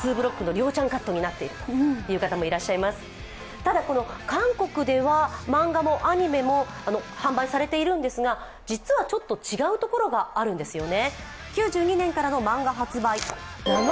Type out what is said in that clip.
ただ、韓国では漫画もアニメも販売されているんですが実はちょっと違うところがあるんですよね。